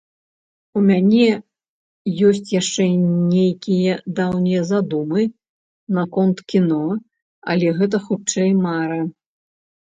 У мяне ёсць яшчэ нейкія даўнія задумы наконт кіно, але гэта, хутчэй, мара.